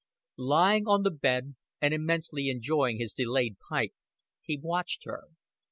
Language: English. Lying on the bed and immensely enjoying his delayed pipe, he watched her.